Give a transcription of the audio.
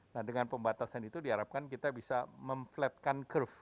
nah dengan pembatasan itu diharapkan kita bisa memflatkan curve